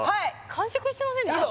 完食してませんでした？